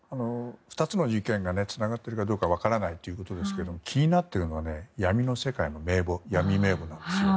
２つの事件がつながっているかは分からないということですが気になっているのは闇の世界の名簿、闇名簿です。